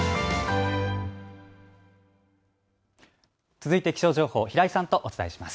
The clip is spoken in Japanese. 続いて気象情報、平井さんとお伝えします。